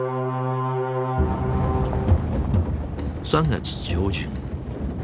３月上旬。